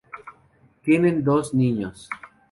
Tienen dos niños.